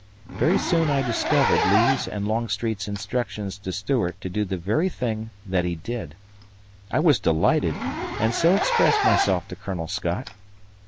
Very soon I discovered Lee's and Longstreet's instructions to Stuart to do the very thing that he did. I was delighted and so expressed myself to Colonel Scott.